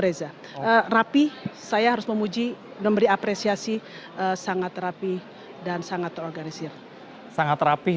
reza rapi saya harus memuji memberi apresiasi sangat rapi dan sangat terorganisir sangat rapih